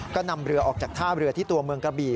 ก็นำเรือออกจากท่าเรือที่ตัวเมืองกระบี่